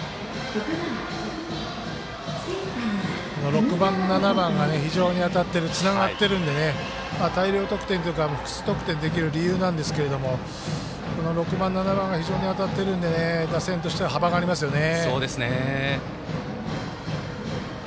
６番、７番が非常に当たっているつながっているんでね大量得点というか複数得点できる理由なんですけど６番、７番が当たっているので打線としては、幅がありますよね。